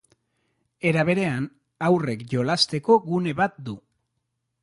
Era berean, haurrek jolasteko gune bat du.